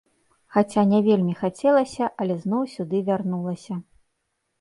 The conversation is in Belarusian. Хаця не вельмі хацелася, але зноў сюды вярнулася.